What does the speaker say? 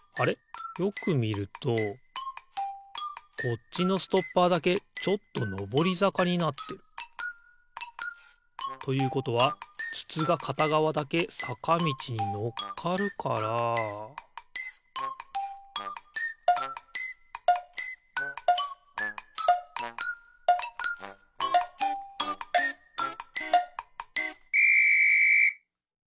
よくみるとこっちのストッパーだけちょっとのぼりざかになってる。ということはつつがかたがわだけさかみちにのっかるからピッ！